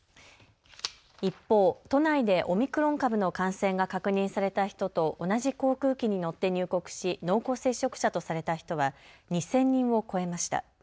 一方、都内でオミクロン株の感染が確認された人と同じ航空機に乗って入国し濃厚接触者とされた人は２０００人を超えました。